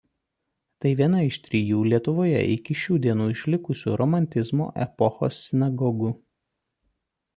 Tai viena iš trijų Lietuvoje iki šių dienų išlikusių romantizmo epochos sinagogų.